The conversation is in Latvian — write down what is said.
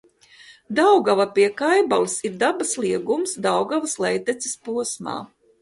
Daugava pie Kaibalas ir dabas liegums Daugavas lejteces posmā.